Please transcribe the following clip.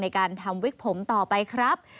ในการทำวิกผมต่อไปครับ